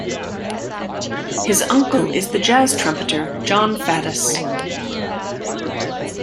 His uncle is the jazz trumpeter Jon Faddis.